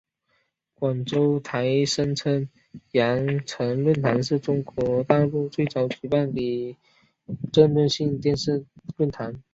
广州台声称羊城论坛是中国大陆最早举办的政论性电视论坛。